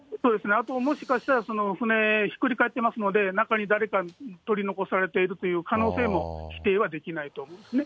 あと、もしかしたら、舟、ひっくり返ってますので、中に誰か取り残されているという可能性も否定はできないと思うんですね。